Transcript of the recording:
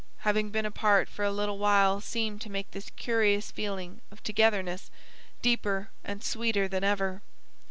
Having been apart for a little while seemed to make this curious feeling of `togetherness,' deeper and sweeter than ever.